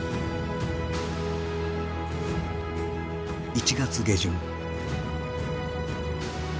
１月下旬。